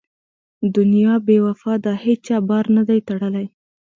دنیا بې وفا ده هېچا بار نه دی تړلی.